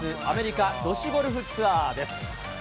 アメリカ女子ゴルフツアーです。